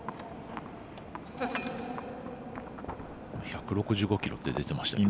１６５キロって出てましたよね。